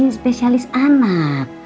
mbak mici spesialis anak